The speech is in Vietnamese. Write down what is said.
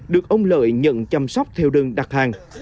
được ông lợi nhận chăm sóc theo đơn đặt hàng